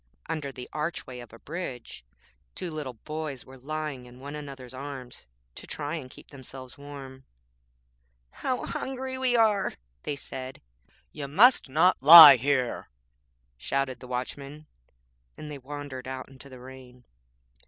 Under the archway of a bridge two little boys were lying in one another's arms to try and keep themselves warm. 'How hungry we are' they said. 'You must not lie here,' shouted the Watchman, and they wandered out into the rain.